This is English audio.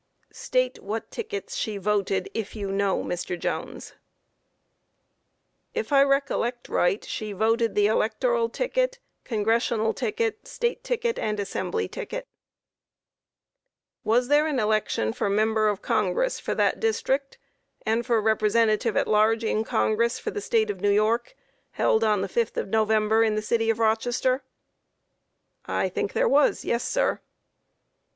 Q. State what tickets she voted, if you know, Mr. Jones? A. If I recollect right she voted the Electoral ticket, Congressional ticket, State ticket, and Assembly ticket. Q. Was there an election for Member of Congress for that district and for Representative at Large in Congress, for the State of New York, held on the 5th of November, in the city of Rochester? A. I think there was; yes, sir.